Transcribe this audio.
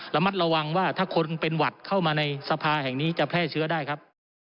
ระมัดระวังว่าถ้าคนเป็นหวัดเข้ามาในสภาแห่งนี้จะแพร่เชื้อได้ครับ